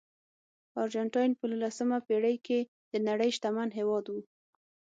ارجنټاین په نولسمه پېړۍ کې د نړۍ شتمن هېواد و.